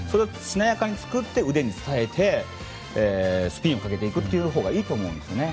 それを作って腕に伝えてスピンをかけていくほうがいいと思うんですよね。